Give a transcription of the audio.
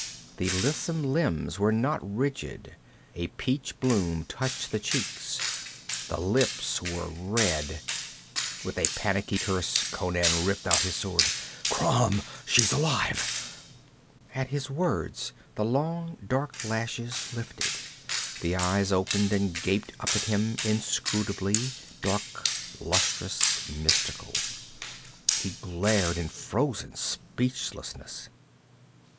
The lissom limbs were not rigid, a peach bloom touched the cheeks, the lips were red With a panicky curse Conan ripped out his sword. 'Crom! She's alive!' At his words the long dark lashes lifted; the eyes opened and gaped up at him inscrutably, dark, lustrous, mystical. He glared in frozen speechlessness.